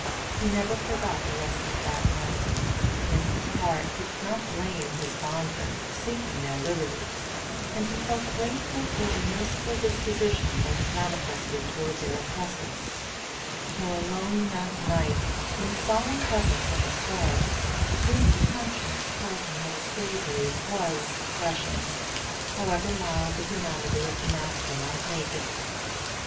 He never forgot the lesson of that night. In his heart he could not blame his bondmen for seeking their liberty, and he felt grateful for the merciful disposition they had manifested toward their oppressors; for alone that night, in the solemn presence of the stars, his conscience told him that Slavery was oppression, however mild the humanity of the master might make it.